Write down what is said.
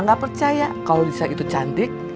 emak gak percaya kalau dija itu cantik